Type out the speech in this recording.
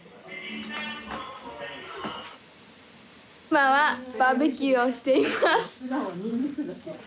今はバーベキューをしています。